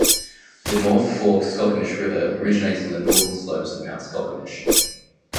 The North Fork Skokomish River originates on the northern slopes of Mount Skokomish.